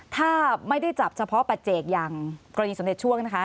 ถ้าไม่ได้จับเฉพาะปัจเจกอย่างกรณีสำเร็จช่วงนะคะ